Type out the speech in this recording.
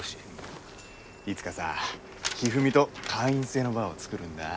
いつかさひふみと会員制のバーを作るんだ。